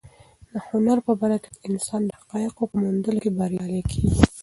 د هنر په برکت انسان د حقایقو په موندلو کې بریالی کېږي.